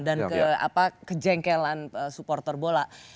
dan kejengkelan supporter bola